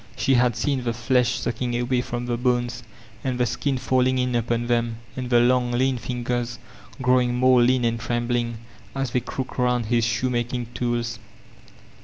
She had seen the flesh sock* ing away from the bones, and the skin falling in upon them, and the long, lean fingers growing more lean and trembling, as they crooked round his shoemaking tools.